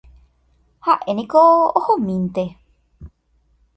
Ha'éniko ohomínte.